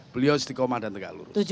beliau istiqomah dan tegak lurus